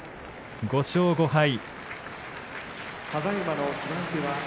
５勝５敗。